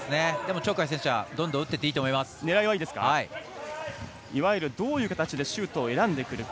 鳥海選手はどんどん打っていっていわゆるどういう形でシュートを選んでくるか。